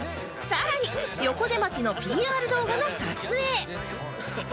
さらに横瀬町の ＰＲ 動画の撮影